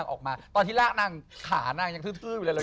ออกมาหน้าก็เรียกแบบ